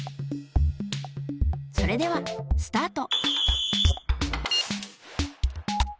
それではスタート。